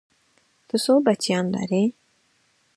ته څو بچيان لرې؟